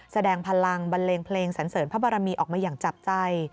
แสดงพลังบันเลงเพลงสันเสริญพระบรมีออกมาอย่างจับใจ